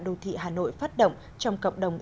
đô thị hà nội phát động trong cộng đồng